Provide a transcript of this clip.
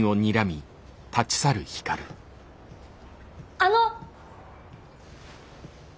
あの！